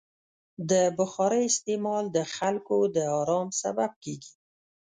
د بخارۍ استعمال د خلکو د ارام سبب کېږي.